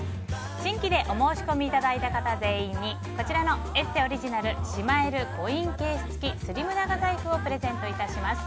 新規でお申込みいただいた方全員にこちらの「ＥＳＳＥ」オリジナルしまえるコインケース付きスリム長財布をプレゼントいたします。